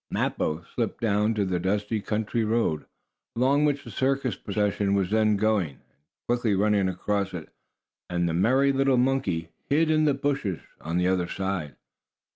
Mappo slipped down to the dusty country road, along which the circus procession was then going, and quickly running across it, the merry little monkey hid in the bushes on the other side.